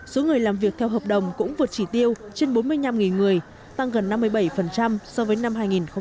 số người làm việc theo hợp đồng cũng vượt chỉ tiêu trên bốn mươi năm người tăng gần năm mươi bảy so với năm hai nghìn một mươi bảy